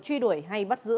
truy đuổi hay bắt giữ